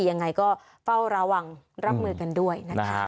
ยังไงก็เฝ้าระวังรับมือกันด้วยนะคะ